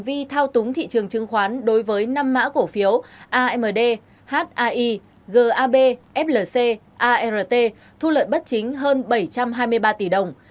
vì thao túng thị trường chứng khoán đối với năm mã cổ phiếu amd hai gab flc art thu lợi bất chính hơn bảy trăm hai mươi ba tỷ đồng